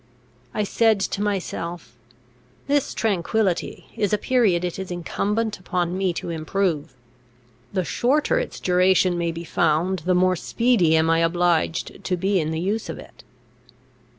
I said to myself, "This tranquillity is a period it is incumbent upon me to improve; the shorter its duration may be found, the more speedy am I obliged to be in the use of it."